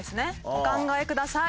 お考えください。